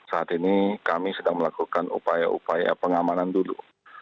saat ini kami sedang melakukan upaya upaya pengamanan dulu